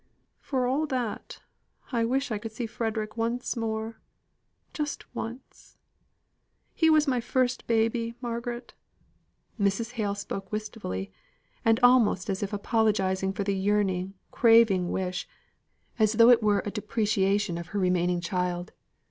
"For all that, I wish I could see Frederick once more just once. He was my first baby, Margaret." Mrs. Hale spoke wistfully, and almost as if apologising for the yearning, craving wish, as though it were a depreciation of her remaining child.